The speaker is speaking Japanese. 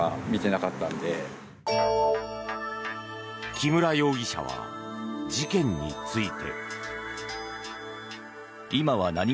木村容疑者は事件について。